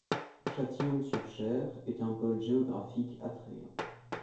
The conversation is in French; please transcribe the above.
Châtillon-sur-Cher est un pôle géographique attrayant.